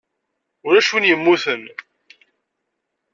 Ulac win yemmuten.